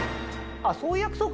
あっそういう約束？